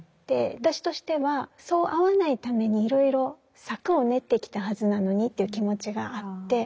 私としてはそうあわないためにいろいろ策を練ってきたはずなのにという気持ちがあって。